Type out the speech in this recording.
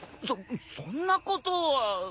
そそんなことは。